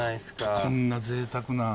こんな贅沢な。